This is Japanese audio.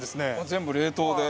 全部冷凍で。